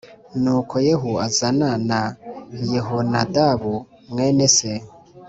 Nuko Yehu Azana Na Yehonadabu Mwene se